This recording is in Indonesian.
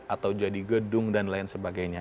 atau jadi gedung dan lain sebagainya